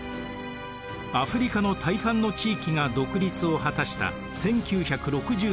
アフリカの大半の地域が独立を果たした１９６３年。